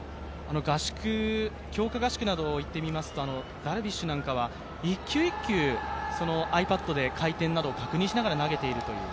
強化合宿などに行ってみますと、ダルビッシュなどは１球１球、ｉＰａｄで回転などを確認しながら投げているという。